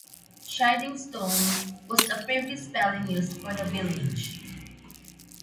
Chidingstone was a previous spelling used for the village.